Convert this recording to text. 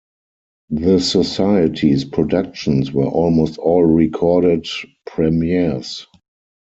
The Society's productions were almost all recorded premieres.